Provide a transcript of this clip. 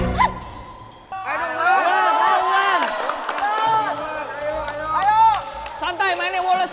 santai mainnya wallace wallace